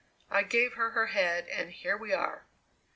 I gave her her head and here we are!"